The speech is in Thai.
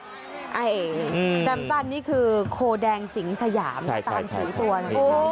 แซมซั่นนี่คือโคแดงสิงสยามใช่ตามสายฝนโอ้ยตายแล้วแซมซั่น